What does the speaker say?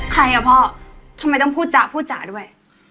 ใครอ่ะพ่อทำไมต้องพูดจ๋พูดจ๋าด้วย